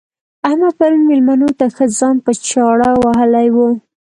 احمد پرون مېلمنو ته ښه ځان په چاړه وهلی وو.